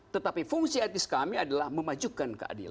tetapi fungsi etnis kami adalah memajukan keadilan